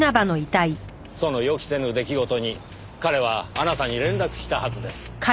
その予期せぬ出来事に彼はあなたに連絡したはずです。